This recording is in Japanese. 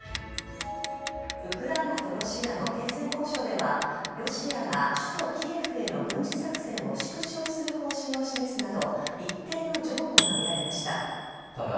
ウクライナとロシアの停戦交渉では、ロシアが首都キエフへの軍事作戦を縮小する方針を示すなど、一定の譲歩が見られました。